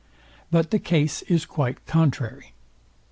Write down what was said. But the case is quite contrary.